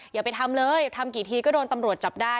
อย่าไปทำเลยทำกี่ทีก็โดนตำรวจจับได้